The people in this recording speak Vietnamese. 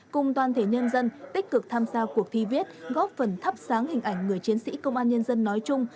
cùng toàn thể nhân dân tích cực tham gia cuộc thi viết góp phần thắp sáng hình ảnh người chiến sĩ công an nhân dân nói chung